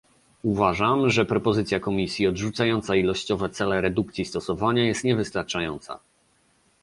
Uważam, że propozycja Komisji odrzucająca ilościowe cele redukcji stosowania jest niewystarczająca